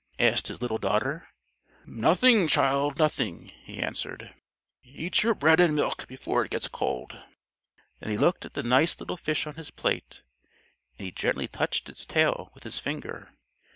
asked his little daughter. "Nothing, child, nothing," he answered; "eat your bread and milk before it gets cold." Then he looked at the nice little fish on his plate, and he gently touched its tail with his finger.